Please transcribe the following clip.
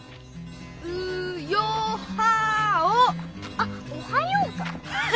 あ「おはよう」かあ。